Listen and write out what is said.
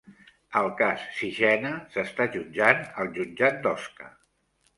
El cas Sixena s'està jutjant al jutjat d'Osca